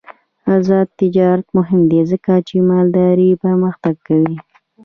آزاد تجارت مهم دی ځکه چې مالداري پرمختګ کوي.